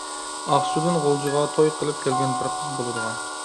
ئاقسۇدىن غۇلجىغا توي قىلىپ كەلگەن بىر قىز بولىدىغان.